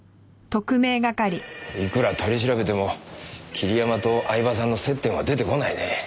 いくら取り調べても桐山と饗庭さんの接点は出てこないね。